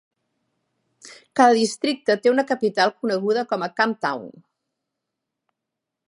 Cada districte té una capital coneguda com a "camptown".